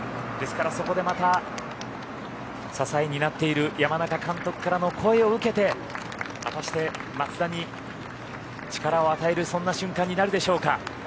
ですから、そこでまた支えになっている山中監督からの声を受けて果たして松田に力を与えるそんな瞬間になるでしょうか。